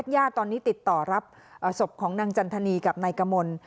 ยาตอนนี้ติดต่อรับสมบของนางจันทณีย์กับนายกมล